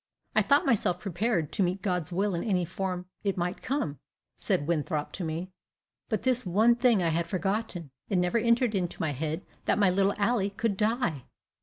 "I thought myself prepared to meet God's will in any form it might come," said Winthrop to me; "but this one thing I had forgotten. It never entered into my head that my little Ally could die."